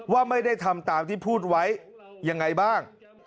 ว่าไม่ได้ทำตามที่พูดไว้ยังไงบ้าง